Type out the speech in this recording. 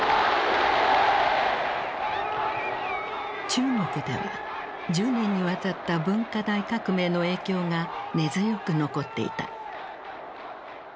中国では１０年にわたった文化大革命の影響が根強く残っていた。